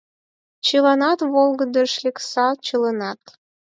— Чыланат волгыдыш лекса, чыланат!